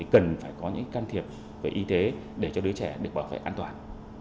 cần phải có những can thiệp về y tế để cho đứa trẻ được bảo vệ an toàn